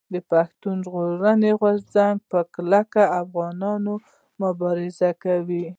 پښتون ژغورني غورځنګ په کلک افغاني مبارزه کوي.